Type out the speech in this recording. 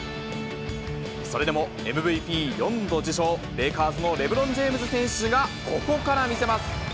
それでもＭＶＰ４度受賞、レイカーズのレブロン・ジェームズ選手がここから見せます。